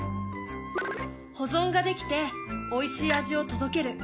保存ができておいしい味を届ける。